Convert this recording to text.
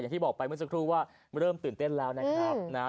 ที่บอกไปเมื่อสักครู่ว่าเริ่มตื่นเต้นแล้วนะครับนะฮะ